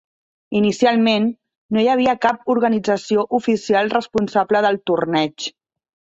Inicialment, no hi havia cap organització oficial responsable del torneig.